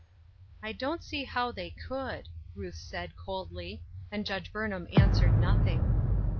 "I don't see how they could," Ruth said, coldly, and Judge Burnham answered nothing.